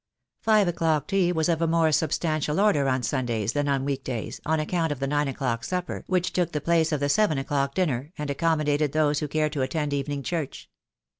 Five o'clock tea was of a more substantial order on Sundays than on week days, on account of the nine o'clock supper which took the place of the seven o'clock dinner, and accommodated those who cared to attend evening church.